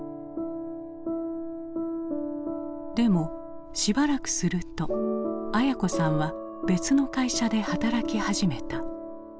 でもしばらくすると文子さんは別の会社で働き始めた。